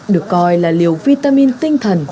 được coi là liều vitamin tinh thần